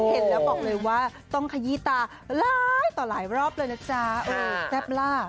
เห็นแล้วบอกเลยว่าต้องขยี้ตาหลายต่อหลายรอบเลยนะจ๊ะเออแซ่บล่ะ